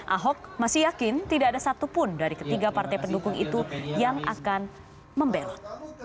ahok masih yakin tidak ada satupun dari ketiga partai pendukung itu yang akan membelot